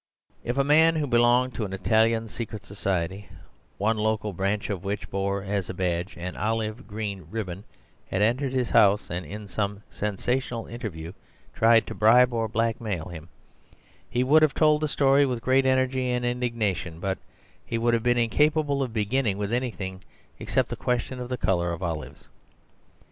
If a man who belonged to an Italian secret society, one local branch of which bore as a badge an olive green ribbon, had entered his house, and in some sensational interview tried to bribe or blackmail him, he would have told the story with great energy and indignation, but he would have been incapable of beginning with anything except the question of the colour of olives.